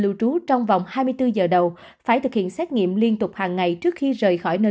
lưu trú trong vòng hai mươi bốn giờ đầu phải thực hiện xét nghiệm liên tục hàng ngày trước khi rời khỏi nơi